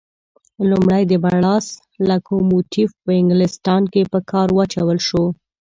لومړی د بړاس لکوموټیف په انګلیستان کې په کار واچول شو.